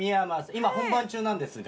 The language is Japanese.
今本番中なんですが。